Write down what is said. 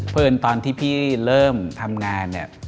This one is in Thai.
เพื่อเงินตอนที่พี่เริ่มทำงาน